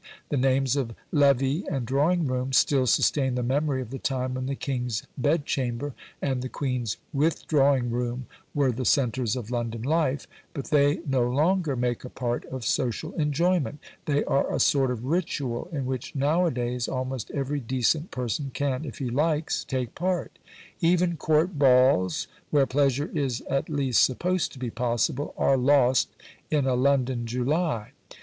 The names of levee and drawing room still sustain the memory of the time when the king's bed chamber and the queen's "withdrawing room" were the centres of London life, but they no longer make a part of social enjoyment: they are a sort of ritual in which nowadays almost every decent person can if he likes take part. Even Court balls, where pleasure is at least supposed to be possible, are lost in a London July.